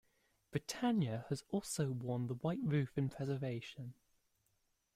"Britannia" has also worn the white roof in preservation.